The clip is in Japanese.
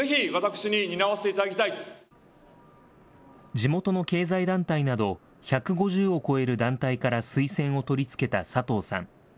地元の経済団体など１５０を超える団体から推薦を取り付けた佐藤さん。